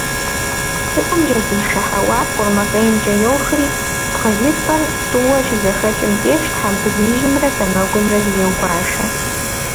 Цӏыхум жьэдишэ хьэуар къурмакъеймкӏэ йохри, бгъэлыцӏыр тӏууэ щызэхэкӏым деж тхьэмбыл ижьымрэ сэмэгумрэ зреугуашэ.